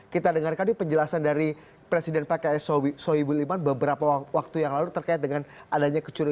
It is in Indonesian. kita dengarkan di penjelasan dari presiden pks soebu liman beberapa waktu yang lalu terkait dengan adanya kecurigaan